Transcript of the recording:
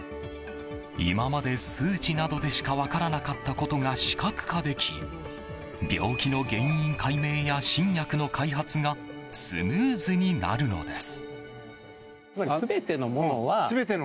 今まで、数値などでしか分からなかったことが視覚化でき病気の原因解明や新薬の開発がスムーズになるのです。